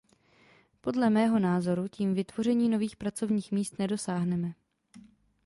Podle mého názoru tím vytvoření nových pracovních míst nedosáhneme.